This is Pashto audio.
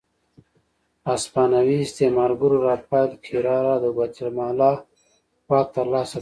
هسپانوي استعمارګرو رافایل کېریرا د ګواتیمالا واک ترلاسه کړ.